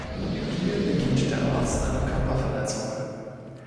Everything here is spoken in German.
Hier begeht der Arzt eine Körperverletzung.